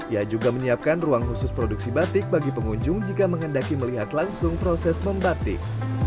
ia juga menyiapkan ruang khusus produksi batik bagi pengunjung jika menghendaki melihat langsung proses membatik